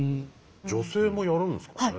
女性もやるんですかね。